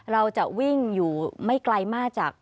เราจะวิ่งอยู่ไม่ไกลมากจาก